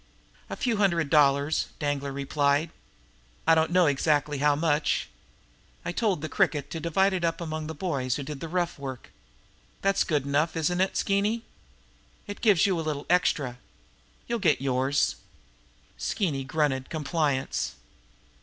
"A few hundred dollars," Danglar replied. "I don't know exactly how much. I told the Cricket to divide it up among the boys who did the rough work. That's good enough, isn't it, Skeeny? It gives you a little extra. You'll get yours." Skeeny grunted compliance.